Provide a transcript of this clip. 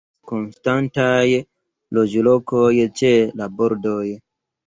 Ne estas konstantaj loĝlokoj ĉe la bordoj.